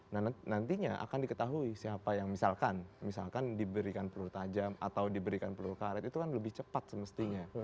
nah nantinya akan diketahui siapa yang misalkan misalkan diberikan peluru tajam atau diberikan peluru karet itu kan lebih cepat semestinya